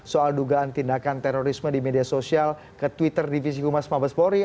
soal dugaan tindakan terorisme di media sosial ke twitter divisi humas mabespori